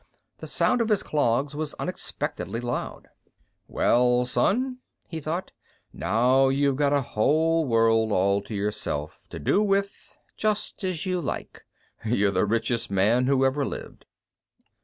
The sound of his clogs was unexpectedly loud. Well, son, he thought, _now you've got a whole world all to yourself, to do with just as you like. You're the richest man who ever lived.